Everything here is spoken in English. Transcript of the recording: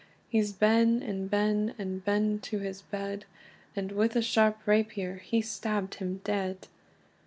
He's ben and ben, and ben to his bed, And with a sharp rapier he stabbed him dead.